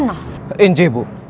sungkonoh inji bu